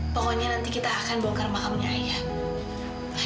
pokoknya nanti kita akan bongkar makamnya ayah